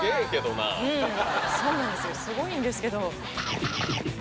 すごいんですけど。